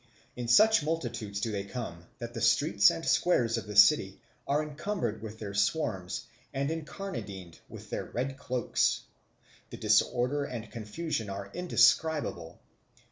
In such multitudes do they come that the streets and squares of the city are encumbered with their swarms, and incarnadined with their red cloaks. The disorder and confusion are indescribable.